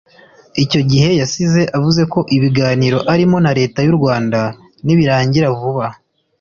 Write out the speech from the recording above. Icyo gihe yasize avuze ko ibiganiro arimo na Leta y’u Rwanda nibirangira vuba